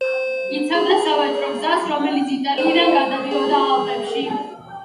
იცავდა სავაჭრო გზას, რომელიც იტალიიდან გადადიოდა ალპებში.